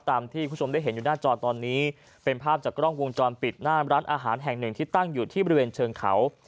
คุณผู้ชมได้เห็นอยู่หน้าจอตอนนี้เป็นภาพจากกล้องวงจรปิดหน้าร้านอาหารแห่งหนึ่งที่ตั้งอยู่ที่บริเวณเชิงเขา